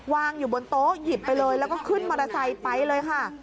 วางอยู่บนโต๊ะหยิบไปเลยแล้วก็ขึ้นมอเตอร์ไซค์ไปเลยค่ะ